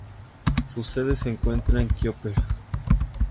Su sede se encuentra en Quimper.